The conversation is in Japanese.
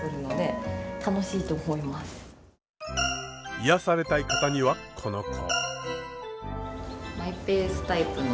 癒やされたい方にはこの子。